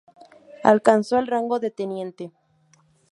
Alcanzó el rango de teniente.